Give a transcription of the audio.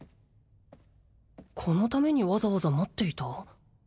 このためにわざわざ待っていた？